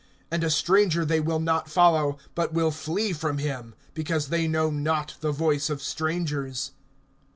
(5)And a stranger they will not follow, but will flee from him; because they know not the voice of strangers.